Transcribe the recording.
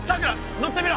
乗ってみろ。